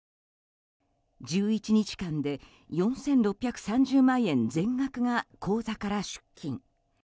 １１日間で４６３０万円全額が口座から出金。